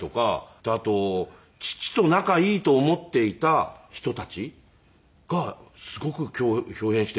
であと父と仲いいと思っていた人たちがすごく豹変してというか。